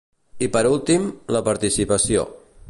I per últim, la participació.